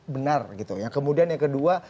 benar gitu ya kemudian yang kedua